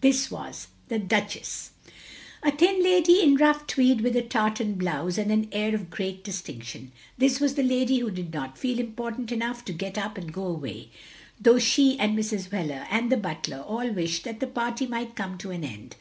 This was the Duchess. A thin lady in rough tweed with a tartan blouse and an air of great distinction. This was the lady who did not feel important enough to get up and go away, though she, and Mrs. Wheler, and the butler, all wished that the party might come to an end.